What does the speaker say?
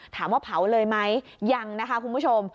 ถามว่าเผาเลยไหมยังนะคะคุณผู้ชม